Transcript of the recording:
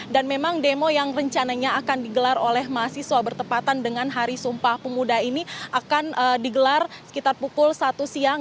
dan memang demo yang rencananya akan digelar oleh mahasiswa bertepatan dengan hari sumpah pemuda ini akan digelar sekitar pukul satu siang